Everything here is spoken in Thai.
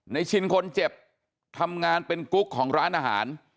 ชินคนเจ็บทำงานเป็นกุ๊กของร้านอาหาร